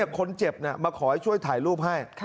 คนเจ็บมาขอให้ช่วยถ่ายรูปให้